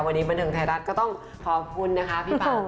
วันนี้บันเทิงไทยรัฐก็ต้องขอบคุณนะคะพี่ปัง